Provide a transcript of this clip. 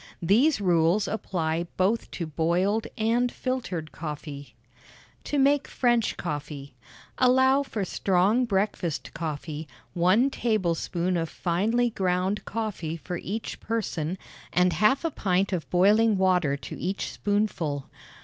These rules apply both to boiled and filtered coffee. TO MAKE FRENCH COFFEE. Allow for strong breakfast coffee, one tablespoonful of finely ground coffee for each person, and half a pint of boiling water to each spoonful.